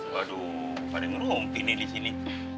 waduh pada ngerumpin ini di sini